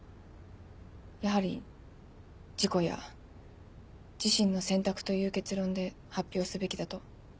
やはり事故や自身の選択という結論で発表すべきだと？